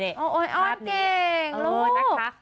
อ้อนเก่งลูก